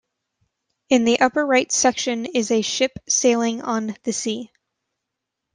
In the upper right section is a ship sailing on the sea.